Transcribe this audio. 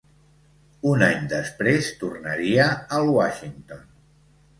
Un any després tornaria al Washington.